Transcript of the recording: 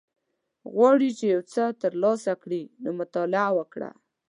غواړی چی یوڅه تر لاسه کړی نو مطالعه وکړه